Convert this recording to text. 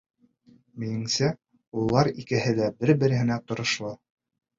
— Минеңсә, улар икеһе лә бер-береһенә торошло.